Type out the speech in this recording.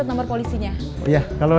aku sudah kekejar